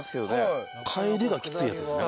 帰りがきついやつですね。